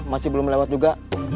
masih belum lewat juga